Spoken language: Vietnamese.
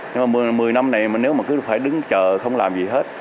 nhưng mà một mươi năm này mà nếu mà cứ phải đứng chờ không làm gì hết